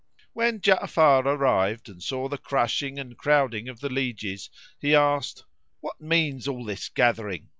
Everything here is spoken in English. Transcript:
When Ja'afar arrived and saw the crushing and crowding of the lieges, he asked, "What means all this gathering?"